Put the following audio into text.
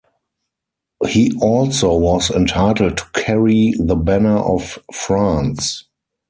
He also was entitled to carry the banner of France.